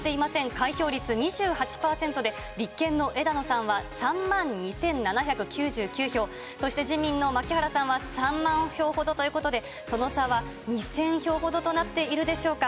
開票率２８％で、立憲の枝野さんは３万２７９９票、そして自民の牧原さんは３万票ほどということで、その差は２０００票ほどとなっているでしょうか。